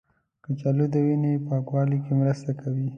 کچالو د وینې پاکوالي کې مرسته کوي.